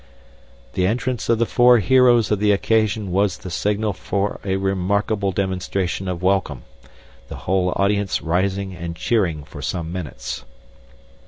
The entrance of the four heroes of the occasion was the signal for a remarkable demonstration of welcome, the whole audience rising and cheering for some minutes.